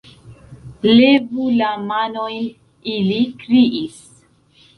"Levu la manojn", ili kriis.